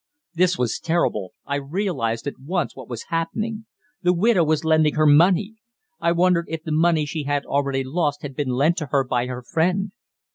This was terrible. I realized at once what was happening. The widow was lending her money. I wondered if the money she had already lost had been lent to her by her friend.